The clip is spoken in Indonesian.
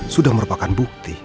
sudah merupakan bukti